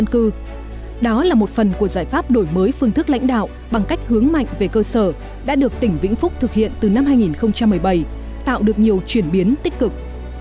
đó là một phần của giải pháp đổi mới phương thức lãnh đạo bằng cách hướng mạnh về cơ sở đã được tỉnh vĩnh phúc thực hiện từ năm hai nghìn một mươi bảy tạo được nhiều chuyển biến tích cực